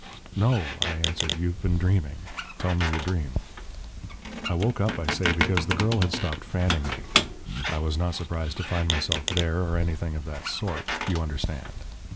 "No," I answered; "you've been dreaming. Tell me your dream." "I woke up, I say, because the girl had stopped fanning me. I was not surprised to find myself there or anything of that sort, you understand.